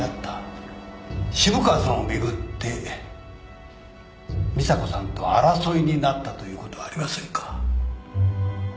渋川さんを巡って美砂子さんと争いになったということはありませんか？